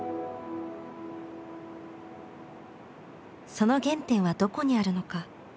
その原点はどこにあるのか？